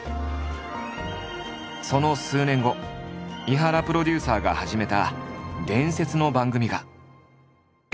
その数年後井原プロデューサーが始めた伝説の番組が。